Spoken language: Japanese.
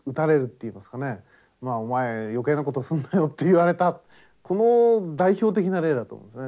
お前余計なことすんなよって言われたこの代表的な例だと思うんですね。